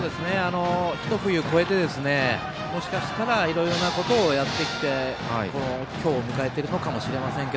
ひと冬越えてもしかしたら、いろいろなことをやってきて今日を迎えているのかもしれませんが。